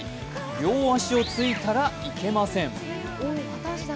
両足をついたらいけません。